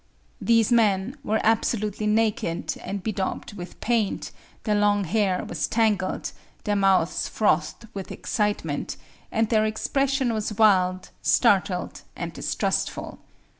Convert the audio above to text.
These men were absolutely naked and bedaubed with paint, their long hair was tangled, their mouths frothed with excitement, and their expression was wild, startled, and distrustful.